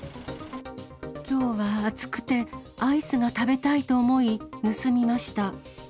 きょうは暑くて、アイスが食べたいと思い盗みました。